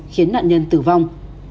khiến nạn nhân tử vong